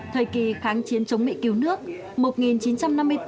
thời kỳ kháng chiến chống mỹ cứu nước